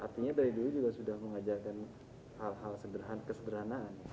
saya dulu juga sudah mengajarkan hal hal keseberanan